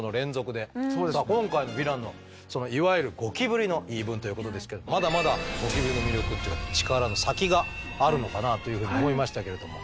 今回のヴィランのいわゆるゴキブリの言い分ということですけどまだまだゴキブリの魅力っていうか力の先があるのかなあというふうに思いましたけれども。